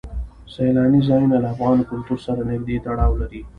سیلاني ځایونه له افغان کلتور سره نږدې تړاو لري.